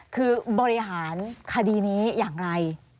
คือบริหารคดีนี้อย่างไร